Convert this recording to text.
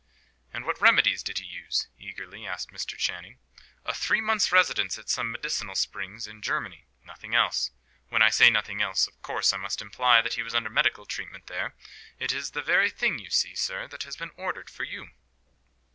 "And what remedies did he use?" eagerly asked Mr. Channing. "A three months' residence at some medicinal springs in Germany. Nothing else. When I say nothing else, of course I must imply that he was under medical treatment there. It is the very thing, you see, sir, that has been ordered for you."